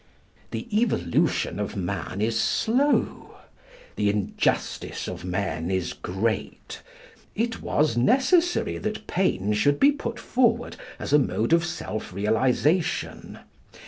The evolution of man is slow. The injustice of men is great. It was necessary that pain should be put forward as a mode of self realisation.